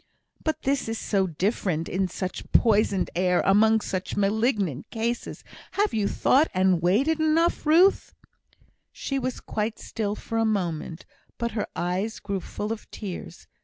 "But this is so different! in such poisoned air! among such malignant cases! Have you thought and weighed it enough, Ruth?" She was quite still for a moment, but her eyes grew full of tears.